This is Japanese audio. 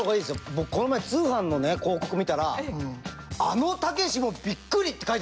僕この前通販のね広告見たら「あのたけしもびっくり！」って書いてあるんすよ。